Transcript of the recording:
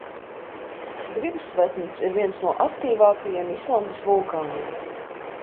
Grimsvetns ir viens no aktīvākajiem Islandes vulkāniem.